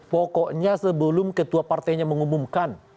pokoknya sebelum ketua partainya mengumumkan